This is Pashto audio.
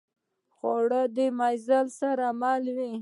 خوړل د مزې سره مل وي